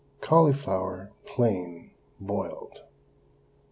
CAULIFLOWER, PLAIN BOILED.